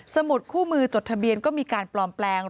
สมุดคู่มือจดทะเบียนก็มีการปลอมแปลง